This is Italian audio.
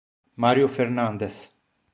Mario Fernández